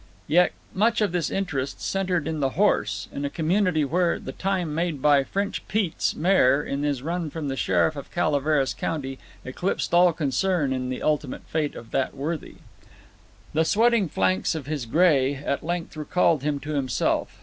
Yet much of this interest centered in the horse, in a community where the time made by "French Pete's" mare in his run from the Sheriff of Calaveras eclipsed all concern in the ultimate fate of that worthy. The sweating flanks of his gray at length recalled him to himself.